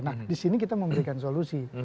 nah disini kita memberikan solusi